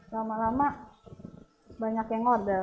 lama lama banyak yang order